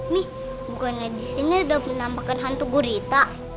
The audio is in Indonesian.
mi bukannya di sini udah penampakan hantu gurita